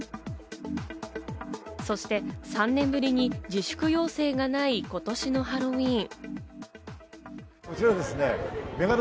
そして３年ぶりに自粛要請がない今年のハロウィーン。